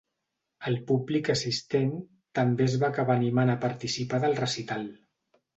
El públic assistent també es va acabar animant a participar del recital.